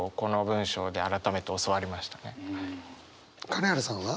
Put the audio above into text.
金原さんは？